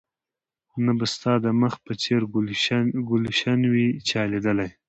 نه به ستا د مخ په څېر ګلش وي چا ليدلى